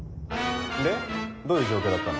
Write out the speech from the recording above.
でどういう状況だったの？